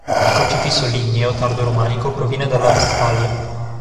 Il crocifisso ligneo tardo romanico proviene dalla Westfalia.